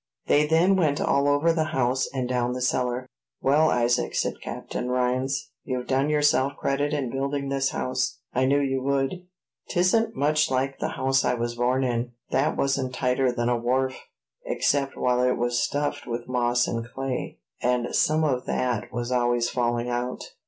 They then went all over the house, and down cellar. "Well, Isaac," said Captain Rhines, "you've done yourself credit in building this house; I knew you would. 'Tisn't much like the house I was born in; that wasn't tighter than a wharf, except while it was stuffed with moss and clay; and some of that was always falling out.